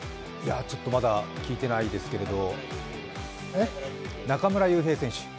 ちょっとまだ聞いてないですけれども中村悠平選手。